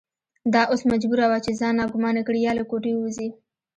دا اوس مجبوره وه چې ځان ناګومانه کړي یا له کوټې ووځي.